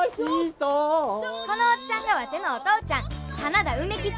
このおっちゃんがワテのお父ちゃん花田梅吉